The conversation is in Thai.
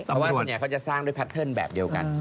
เพราะว่าส่วนใหญ่เขาจะสร้างด้วยแบบเดียวกัน